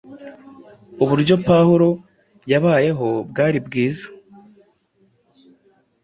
Uburyo Pawulo yabayeho bwari bwiza